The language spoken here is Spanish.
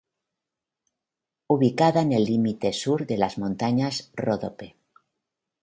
Ubicada en el límite sur de las montañas Ródope.